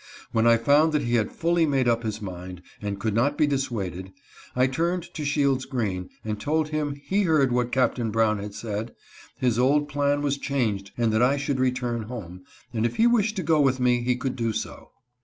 When I found that he had fully made up his mind and could not be dissuaded, I turned to Shields Green and told him he heard what Captain Brown had said ; his old plan was changed, and that I should return home, and if he wished to go with me he could do so.